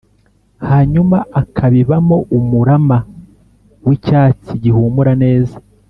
hanyuma akabibamo umurama w’icyatsi gihumura neza,